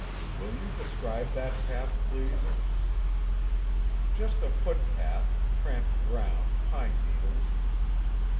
"Will you describe that path, please?" "Just a footpath, tramped ground, pine needles."